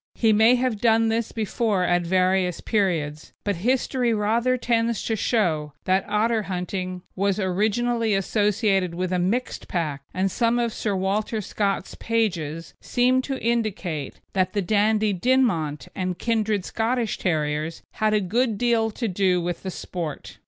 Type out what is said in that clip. He may have done this before at various periods, but history rather tends to show that otter hunting was originally associated with a mixed pack, and some of Sir Walter Scott's pages seem to indicate that the Dandie Dinmont and kindred Scottish terriers had a good deal to do with the sport.